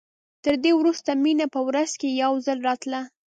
تر دې وروسته مينه په ورځ کښې يو ځل راتله.